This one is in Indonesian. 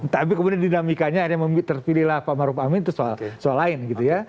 tapi kemudian dinamikanya akhirnya terpilihlah pak maruf amin itu soal soal lain gitu ya